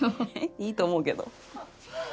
いいと思うけど。